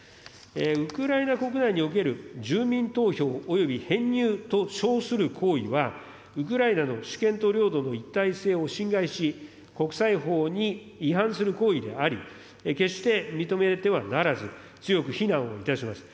ウクライナ国内における住民投票および編入と称する行為は、ウクライナの主権と領土の一体性を侵害し、国際法に違反する行為であり、決して認めてはならず、強く非難をいたします。